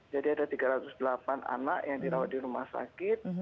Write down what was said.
jadi ada tiga ratus delapan anak yang dirawat di rumah sakit